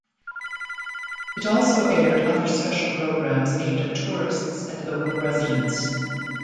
It also aired other special programs aimed at tourists and local residents.